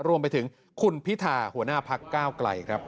รวมไปถึงคุณพิธาหัวหน้าพักก้าวไกลครับ